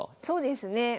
そうですね。